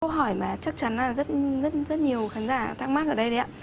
câu hỏi mà chắc chắn là rất rất nhiều khán giả thắc mắc ở đây đấy ạ